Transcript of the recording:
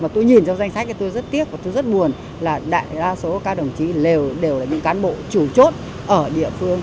tôi nhìn trong danh sách tôi rất tiếc và tôi rất buồn là đại đa số các đồng chí đều là bị cán bộ chủ chốt ở địa phương